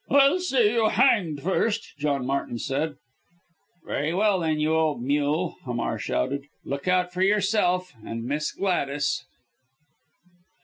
"I'll see you hanged first," John Martin answered. "Very well, then, you old mule," Hamar shouted, "look out for yourself and Miss Gladys."